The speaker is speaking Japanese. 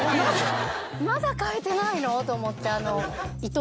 まだ替えてないの？と思って。